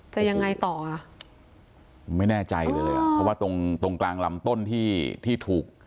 ยังไงต่ออ่ะไม่แน่ใจเลยเลยอ่ะเพราะว่าตรงตรงกลางลำต้นที่ที่ถูก